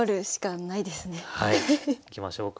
いきましょうか。